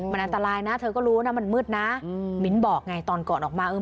มันอันตรายนะเธอก็รู้นะมันมืดนะมิ้นบอกไงตอนก่อนออกมาเออ